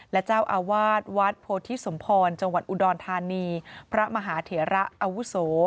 และเจ้าอาวาสวัดโพธิสมพรจังหวัดอุดรธานีพระมหาเถระอาวุโส